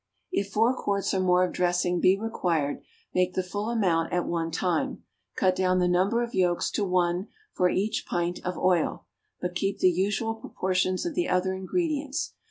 = If four quarts or more of dressing be required, make the full amount at one time; cut down the number of yolks to one for each pint of oil, but keep the usual proportions of the other ingredients.